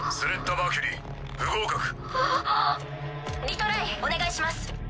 リトライお願いします。